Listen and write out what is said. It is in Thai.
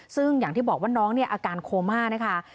ซึ่งอย่างที่บอกว่าน้องอาการโคม่า